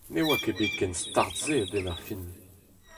Ne oa ket bet ken start-se a-benn ar fin.